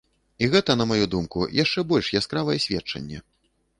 І гэта, на маю думку, яшчэ больш яскравае сведчанне!